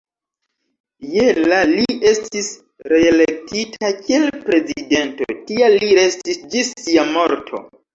Je la li estis reelektita kiel prezidento; tia li restis ĝis sia morto.